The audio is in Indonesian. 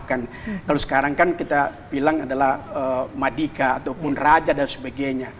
kalau sekarang kan kita bilang adalah madika ataupun raja dan sebagainya